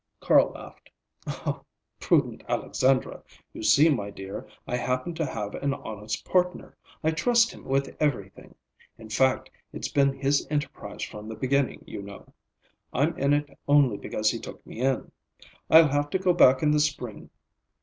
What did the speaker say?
Carl laughed. "Prudent Alexandra! You see, my dear, I happen to have an honest partner. I trust him with everything. In fact, it's been his enterprise from the beginning, you know. I'm in it only because he took me in. I'll have to go back in the spring.